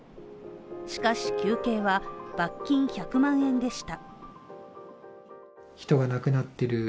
しかし求刑は罰金１００万円でした。